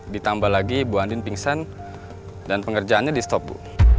ditambah lagi bu andin pingsan dan pengerjaannya di stop bu